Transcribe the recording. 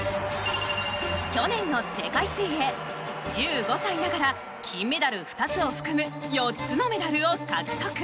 去年の世界水泳１５歳ながら金メダル２つを含む４つのメダルを獲得。